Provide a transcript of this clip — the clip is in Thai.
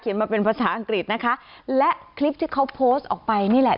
มาเป็นภาษาอังกฤษนะคะและคลิปที่เขาโพสต์ออกไปนี่แหละ